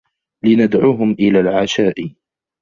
لندعُهم إلى العشاء.